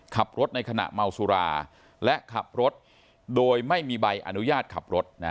ขับรถในขณะเมาสุราและขับรถโดยไม่มีใบอนุญาตขับรถ